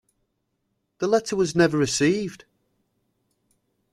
The letter was never received.